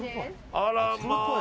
あらまあ。